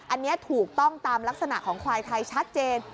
อันนี้ถูกต้องตามลักษณะของควายไทยชัดเจน